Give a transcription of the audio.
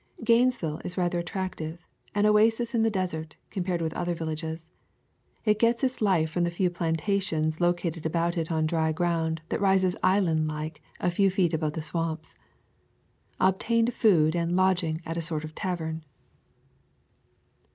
Gainesville is rather attractive — an oasis in the desert, compared with other villages. Its gets its life from the few plantations located about it on dry ground that rises islandlike a few feet above the swamps. Obtained food and lodging at a sort of tavern.